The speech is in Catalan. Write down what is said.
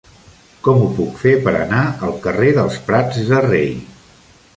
Com ho puc fer per anar al carrer dels Prats de Rei?